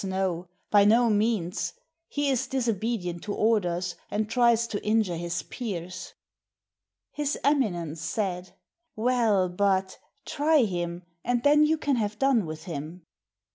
no, by no means! He is disobedient to orders, and tries to injure his peers." His Eminence said, " Well, but — try him, and then you can have done with him."